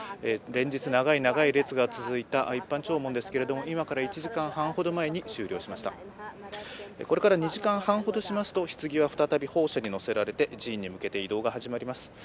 連日長い長い列が続いた一般弔問ですけれども、今から１時間半程前に終了しましたこれから２時間半ほどしますと、ひつぎは再び砲車に載せられて寺院に向けて移動が始まります。